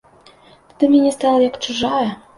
Ты да мяне стала як чужая.